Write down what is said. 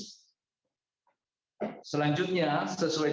pihak kepolisian menyampaikan berbagai berkas yang berlaku di swiss